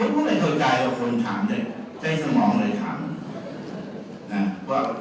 ต้องกลัวเป็นโครตใจเอาคนถามเลย